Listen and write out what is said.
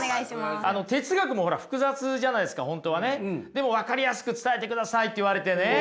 でも分かりやすく伝えてくださいって言われてね。